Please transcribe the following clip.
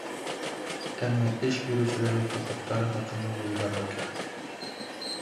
Әммә эш биреүселәрҙең хоҡуҡтары хаҡында ла уйларға кәрәк.